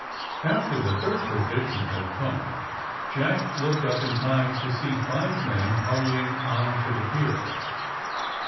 After the third physician had come Jack looked up in time to see five men hurrying on to the pier.